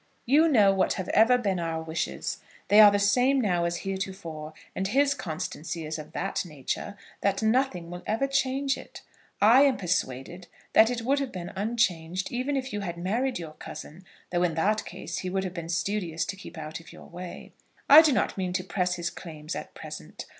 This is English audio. You know what have ever been our wishes. They are the same now as heretofore; and his constancy is of that nature, that nothing will ever change it. I am persuaded that it would have been unchanged, even if you had married your cousin, though in that case he would have been studious to keep out of your way. I do not mean to press his claims at present.